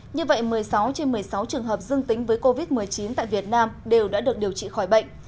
như vậy một mươi sáu trên một mươi sáu trường hợp dương tính với covid một mươi chín tại việt nam đều đã được điều trị khỏi bệnh